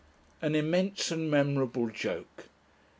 An immense and memorable joke.